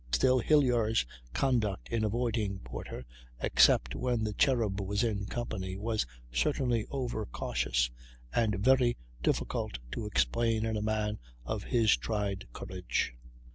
Still, Hilyar's conduct in avoiding Porter except when the Cherub was in company was certainly over cautious, and very difficult to explain in a man of his tried courage.